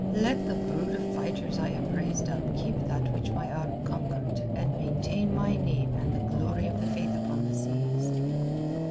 Let the brood of fighters I have raised up keep that which my arm conquered and maintain my name and the glory of the Faith upon the seas."